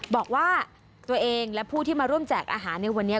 บอกว่าตัวเองและผู้ที่มาร่วมแจกอาหารในวันนี้